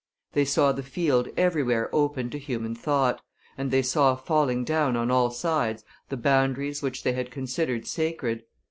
They saw the field everywhere open to human thought, and they saw falling down on all sides the boundaries which they had considered sacred.